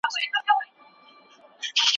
زدهکوونکي د ښوونځي د چاپېریاله زدهکړه کوي.